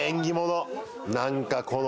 何かこの。